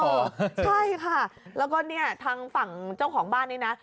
ใช่ค่ะแล้วก็เนี่ยทางฝั่งเจ้าของบ้านนี้นะ